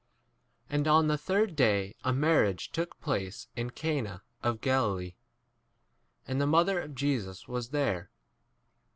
And on the third day a marriage took place in Cana of Galilee, and the mother of Jesus was there.